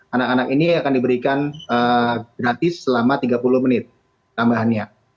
anak anak ini akan diberikan gratis selama tiga puluh menit tambahannya